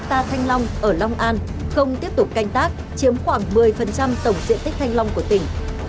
hectare thanh long ở long an không tiếp tục canh tác chiếm khoảng một mươi tổng diện tích thanh long của tỉnh